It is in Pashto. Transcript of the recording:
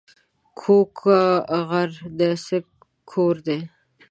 کوږک غر د اڅک کور دی